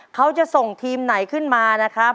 เขาจะส่งทีมไหนขึ้นมานะครับ